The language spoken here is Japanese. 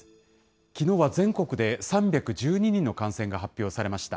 きのうは全国で３１２人の感染が発表されました。